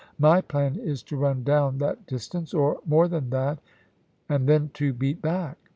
My plan is to run down that distance, or more than that, and then to beat back.